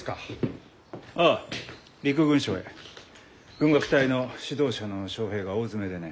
軍楽隊の指導者の招へいが大詰めでね。